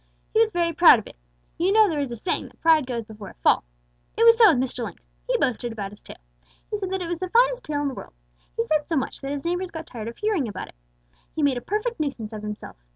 He was very proud of it. You know there is a saying that pride goes before a fall. It was so with Mr. Lynx. He boasted about his tail. He said that it was the finest tail in the world. He said so much that his neighbors got tired of hearing about it. He made a perfect nuisance of himself.